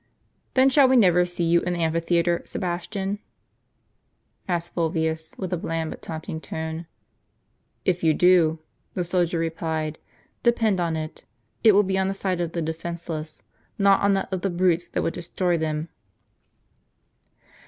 "Then shall we never see you in the amphitheatre, Sebas tian?" asked Fulvius, with a bland but taunting tone. "If you do," the soldier replied, "depend upon it, it will be on the side of the defenceless, not on that of the brutes that would destroy them."